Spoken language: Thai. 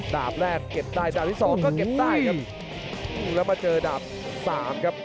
ดาบแรกเก็บได้ดาบที่สองก็เก็บได้ครับแล้วมาเจอดาบสามครับ